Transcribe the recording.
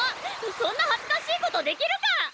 そんな恥ずかしいことできるか！